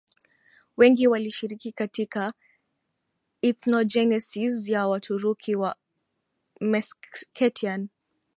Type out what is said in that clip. wengi walishiriki katika ethnogenesis ya Waturuki wa Meskhetian